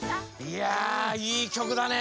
いやいいきょくだね。